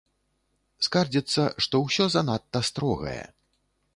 Скардзіцца, што ўсё занадта строгае.